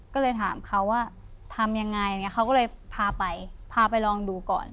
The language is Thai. ก็เลยถามเขาว่าทำยังไงเขาก็เลยพาไปพาไปลองดูก่อน